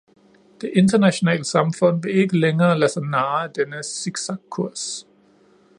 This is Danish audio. Det internationale samfund vil ikke længere lade sig narre af denne siksakkurs.